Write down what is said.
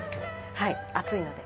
はい暑いので。